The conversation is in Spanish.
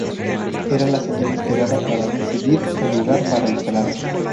Era la señal esperada para decidir el lugar para instalarse.